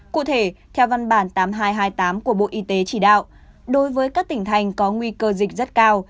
cụ thể theo văn bản tám nghìn hai trăm hai mươi tám của bộ y tế chỉ đạo đối với các tỉnh thành có nguy cơ dịch rất cao